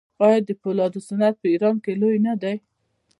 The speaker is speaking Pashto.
آیا د فولادو صنعت په ایران کې لوی نه دی؟